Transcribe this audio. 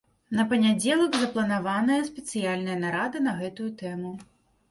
На панядзелак запланаваная спецыяльная нарада на гэтую тэму.